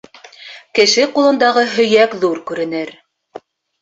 Кеше ҡулындағы һөйәк ҙур күренер.